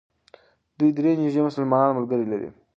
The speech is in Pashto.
دوی درې نژدې مسلمان ملګري لري.